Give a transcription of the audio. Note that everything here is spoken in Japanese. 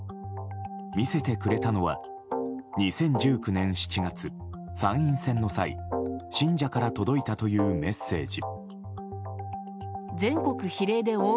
見せてくれたのは２０１９年７月、参院選の際信者から届いたというメッセージ。